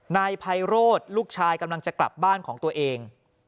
นายไพโรธลูกชายกำลังจะกลับบ้านของตัวเอง